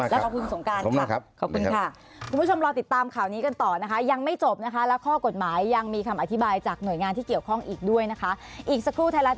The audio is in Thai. ขอบคุณค่ะคุณผู้ชมรอติดตามข่าวนี้กันต่อนะคะยังไม่จบนะคะแล้วข้อกฎหมายยังมีคำอธิบายจากหน่วยงานที่เกี่ยวข้องอีกด้วยนะคะอีกสักครู่ไทยรัฐ